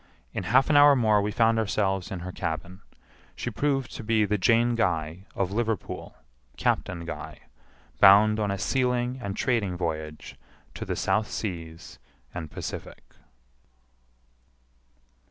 In half an hour more we found ourselves in her cabin. She proved to be the Jane Guy, of Liverpool, Captain Guy, bound on a sealing and trading voyage to the South Seas and Pacific.